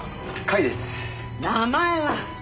名前は？